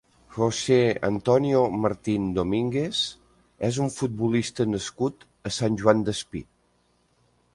José Antonio Martín Domínguez és un futbolista nascut a Sant Joan Despí.